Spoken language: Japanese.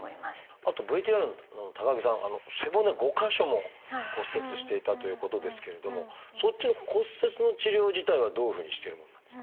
あとＶＴＲの高木さん背骨５か所も骨折していたということですけれどもそっちの骨折の治療自体はどういうふうにしてるものなんですか？